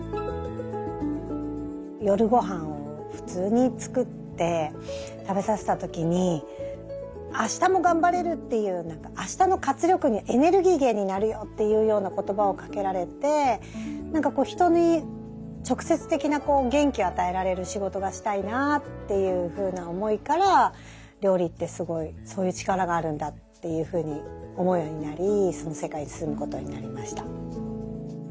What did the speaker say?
夜ごはんを普通に作って食べさせた時に「明日も頑張れる」っていう何か明日の活力にエネルギー源になるよっていうような言葉をかけられて人に直接的な元気を与えられる仕事がしたいなっていうふうな思いから料理ってすごいそういう力があるんだっていうふうに思うようになりその世界に進むことになりました。